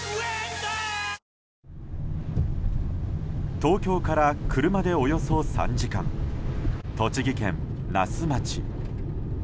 東京から車でおよそ３時間栃木県那須町。